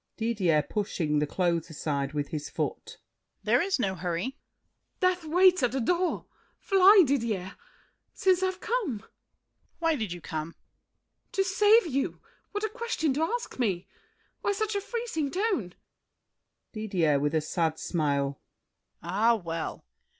DIDIER (pushing the clothes aside with his foot). There is no hurry. MARION. Death waits at the door. Fly! Didier! Since I've come! DIDIER. Why did you come? MARION. To save you! What a question to ask me! Why such a freezing tone? DIDIER (with a sad smile). Ah, well!